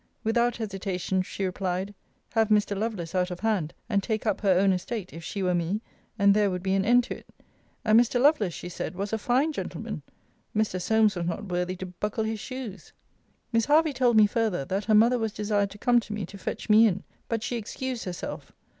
Without hesitation, she replied, have Mr. Lovelace out of hand, and take up her own estate, if she were me; and there would be an end to it. And Mr. Lovelace, she said, was a fine gentleman: Mr. Solmes was not worthy to buckle his shoes. Miss Hervey told me further, that her mother was desired to come to me, to fetch me in; but she excused herself.